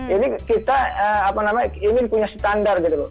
ini kita ingin punya standar